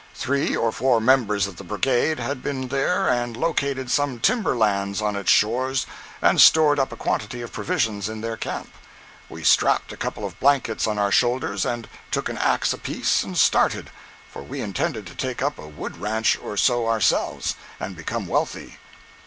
Three or four members of the Brigade had been there and located some timber lands on its shores and stored up a quantity of provisions in their camp. We strapped a couple of blankets on our shoulders and took an axe apiece and started—for we intended to take up a wood ranch or so ourselves and become wealthy.